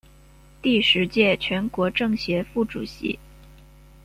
第十届全国政协副主席。